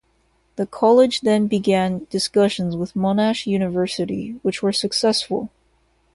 The College then began discussions with Monash University, which were successful.